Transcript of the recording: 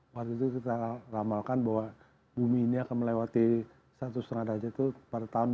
waktu itu kita ramalkan bahwa bumi ini akan melewati satu lima derajat itu pada tahun dua ribu